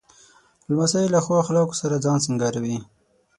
لمسی له ښو اخلاقو سره ځان سینګاروي.